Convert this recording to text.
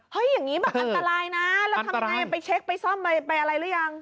เฮ้ยอย่างงี้แบบอันตรายนะอันตรายแล้วทำยังไงไปเช็คไปซ่อมไปไปอะไรหรือยัง